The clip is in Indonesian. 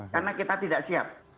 karena kita tidak siap